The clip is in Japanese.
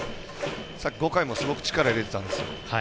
さっき５回もすごく力入れてたんですよ。